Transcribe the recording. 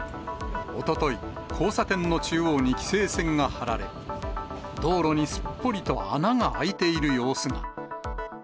おととい、交差点の中央に規制線が張られ、道路にすっぽりと穴が開いている様子が。